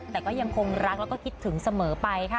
แต่ก็ยังคงรักแล้วก็คิดถึงเสมอไปค่ะ